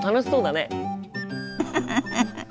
フフフフ。